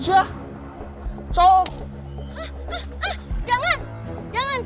lepasin dia apa ini